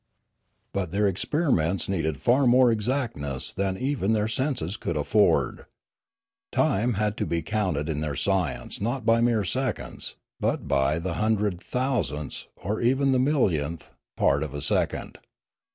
But their experiments needed far more exactness than even their senses could afford. Time had to be counted in their science not by mere seconds, but by the hundred thousandth, or even the millionth, part of a second.